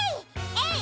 えい！